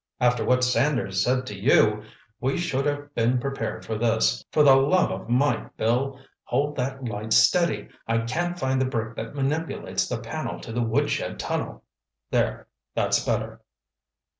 After what Sanders said to you, we should have been prepared for this. For the love of Mike, Bill, hold that light steady! I can't find the brick that manipulates the panel to the woodshed tunnel.—There—that's better!"